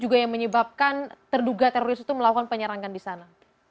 juga yang menyebabkan terduga teroris itu melakukan penyerangan di sana